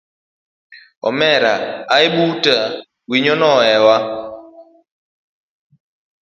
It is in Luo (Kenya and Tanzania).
Omera hae buta wiyino hoewa.